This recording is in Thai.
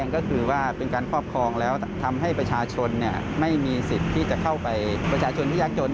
ก็เข้าไปประชาชนที่ยากจด